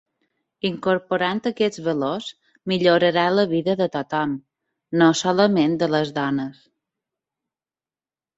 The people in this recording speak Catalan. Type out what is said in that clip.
Incorporant aquests valors millorarà la vida de tothom, no solament de les dones.